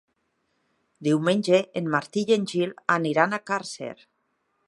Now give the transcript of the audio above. Diumenge en Martí i en Gil aniran a Càrcer.